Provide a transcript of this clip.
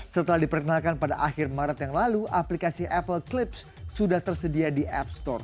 setelah diperkenalkan pada akhir maret yang lalu aplikasi apple clips sudah tersedia di app store